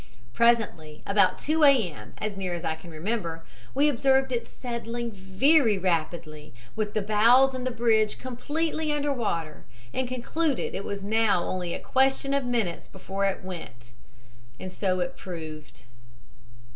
"Presently, about 2 A. M., as near as I can remember, we observed it settling very rapidly, with the bows and the bridge completely under water, and concluded it was now only a question of minutes before it went; and so it proved."